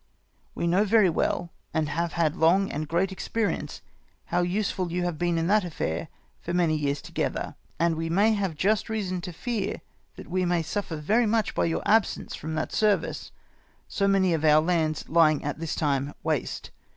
We know very well, and have had long and great experience, how useful you have been in that affair for many years together ; and we may have just reason to fear that we may suffer very much by yom absence from that service, so many of our lands lying at this time waste.